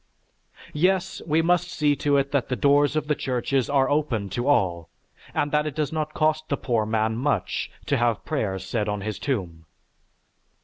Yes, we must see to it that the doors of the churches are open to all, and that it does not cost the poor man much to have prayers said on his tomb."